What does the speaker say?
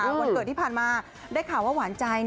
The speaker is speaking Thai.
วันเกิดที่ผ่านมาได้ข่าวว่าหวานใจ